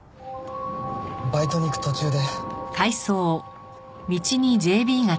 バイトに行く途中で。